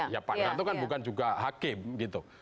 ya pak wiranto kan bukan juga hakim gitu